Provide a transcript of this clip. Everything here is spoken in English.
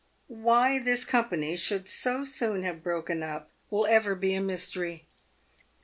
Why this company should so soon have broken up will ever be a mystery.